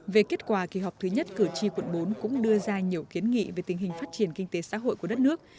về kết quả kỳ họp thứ nhất cử tri quận bốn cũng đưa ra nhiều kiến nghị về tình hình phát triển kinh tế xã hội của đất nước